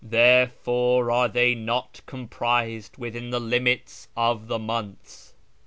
Therefore are they not comprised within the limits of the months.